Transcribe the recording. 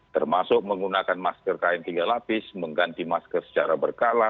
termasuk menggunakan masker kain tiga lapis mengganti masker secara berkala